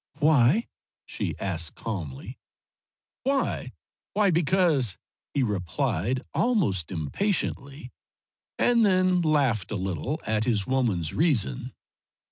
"Why?" she asked calmly. "Why? Why because," he replied, almost impatiently, and then laughed a little at his woman's reason.